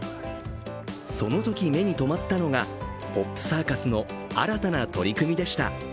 そのとき目にとまったのがポップサーカスの新たな取り組みでした。